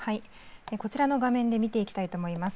こちらの画面で見ていきたいと思います。